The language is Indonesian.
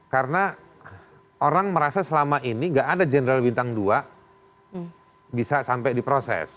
karena orang merasa selama ini gak ada jenderal bintang dua bisa sampai diproses